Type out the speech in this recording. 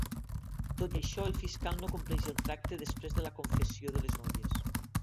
Tot i això, el fiscal no compleix al tracte després de la confessió de les noies.